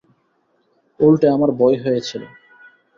উলটে আমার ভয় হয়েছিল।